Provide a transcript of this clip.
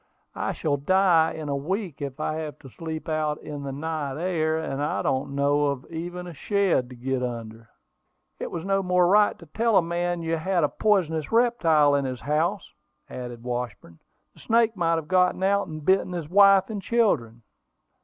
"I shall die in a week, if I have to sleep out in the night air: and I don't know of even a shed to get under." "It was no more than right to tell a man you had a poisonous reptile in his house," added Washburn. "The snake might have got out, and bitten his wife and children."